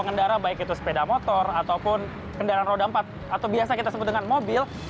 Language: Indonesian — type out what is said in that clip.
pengendara baik itu sepeda motor ataupun kendaraan roda empat atau biasa kita sebut dengan mobil